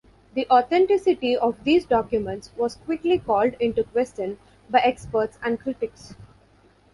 The authenticity of these documents was quickly called into question by experts and critics.